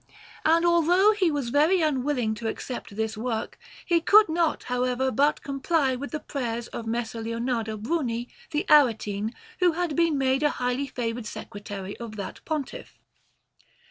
And although he was very unwilling to accept this work, he could not, however, but comply with the prayers of Messer Leonardo Bruni, the Aretine, who had been a highly favoured Secretary of that Pontiff.